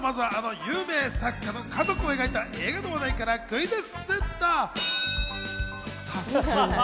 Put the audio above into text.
まずは、あの有名作家の家族を描いた映画の話題からクイズッス！